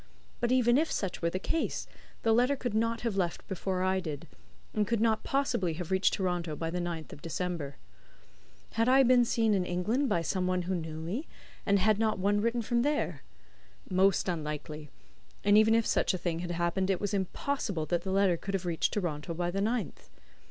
But even if such were the case, the letter could not have left before I did, and could not possibly have reached Toronto by the 9th of December. Had I been seen in England by some one who knew me, and had not one written from there? Most unlikely; and even if such a thing had happened, it was impossible that the letter could have reached Toronto by the 9th.